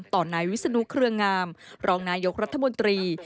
นายวิศนุเครืองามรองนายกรัฐมนตรี